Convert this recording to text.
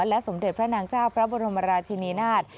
และสมเด็จพระนางเจ้าพระบรมราชินีนาฏ